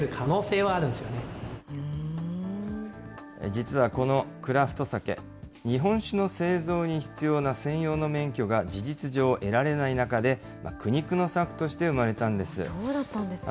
実は、このクラフトサケ、日本酒の製造に必要な専用の免許が事実上、得られない中で、苦肉そうだったんですか。